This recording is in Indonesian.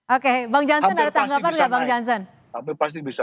oke bang johnson ada tanggapan enggak bang johnson